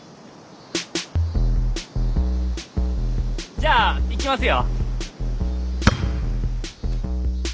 じゃあいきますよ。